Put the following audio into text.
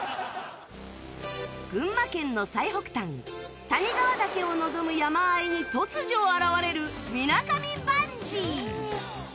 群馬県の最北端谷川岳を望む山あいに突如現れるみなかみバンジー